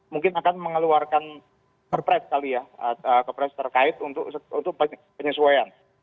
mungkin akan mengeluarkan perpres kali ya kepres terkait untuk penyesuaian